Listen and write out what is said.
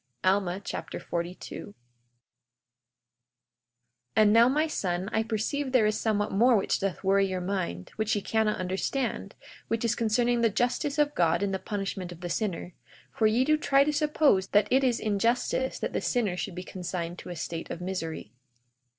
Alma Chapter 42 42:1 And now, my son, I perceive there is somewhat more which doth worry your mind, which ye cannot understand—which is concerning the justice of God in the punishment of the sinner; for ye do try to suppose that it is injustice that the sinner should be consigned to a state of misery.